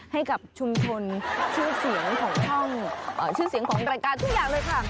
ให้กับชุมชนชื่อเสียงของช่องชื่อเสียงของรายการทุกอย่างเลยค่ะ